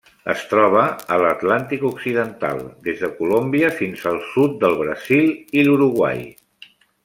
Es troba a l'Atlàntic occidental: des de Colòmbia fins al sud del Brasil i l'Uruguai.